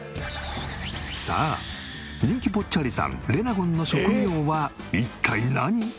さあ人気ぽっちゃりさんレナゴンの職業は一体何？